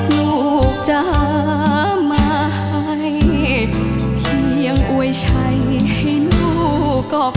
ลูกจะมาให้เพียงอวยชัยให้ลูกก็พอ